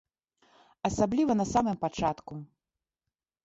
Асабліва на самым пачатку.